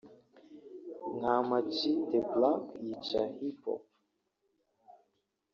nka Ama G( The Black) yica Hip Hop